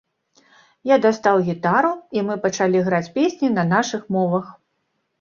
Я дастаў гітару, і мы пачалі граць песні на нашых мовах.